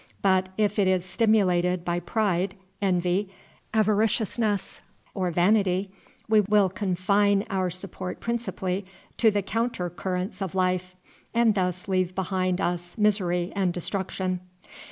But if it is stimulated by pride, envy, avariciousness, or vanity, we will confine our support principally to the counter currents of life, and thus leave behind us misery and destruction.